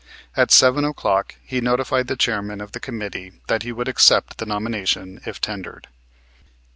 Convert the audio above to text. At 7 o'clock he notified the chairman of the committee that he would accept the nomination if tendered.